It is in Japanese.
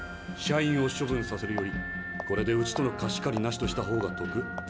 社員を処分させるよりこれでうちとの貸し借りなしとした方が得。